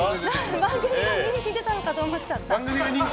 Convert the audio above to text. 番組が人気出たのかと思っちゃった。